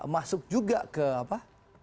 masuk juga ke apa